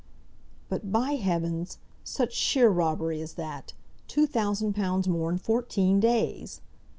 "But, by heavens . Such sheer robbery as that! Two thousand pounds more in fourteen days!"